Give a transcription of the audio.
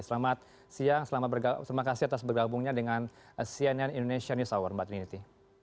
selamat siang terima kasih atas bergabungnya dengan cnn indonesia news hour mbak trinity